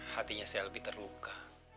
hatinya saya lebih terluka